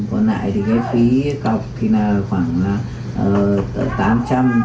còn lại thì cái phí cọc thì là khoảng tám trăm linh